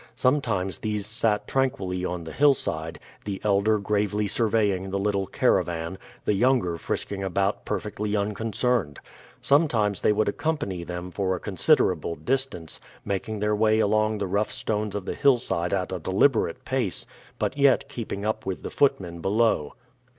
Sometimes these sat tranquilly on the hillside, the elder gravely surveying the little caravan, the younger frisking about perfectly unconcerned. Sometimes they would accompany them for a considerable distance, making their way along the rough stones of the hillside at a deliberate pace, but yet keeping up with the footmen below.